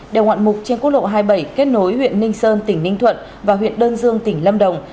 đèo ngoạn mục trên quốc lộ hai mươi bảy kết nối huyện ninh sơn tỉnh ninh thuận và huyện đơn dương tỉnh lâm đồng